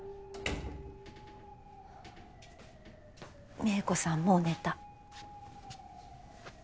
美恵子さんもう寝た。